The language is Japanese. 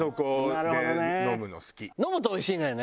飲むとおいしいんだよね。